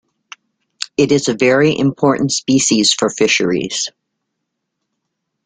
It is a very important species for fisheries.